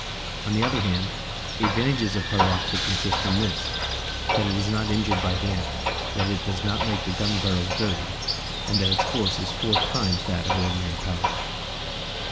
On the other hand, the advantages of pyroxyle consist in this, that it is not injured by damp, that it does not make the gun barrels dirty, and that its force is four times that of ordinary powder.